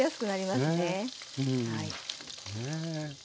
はい。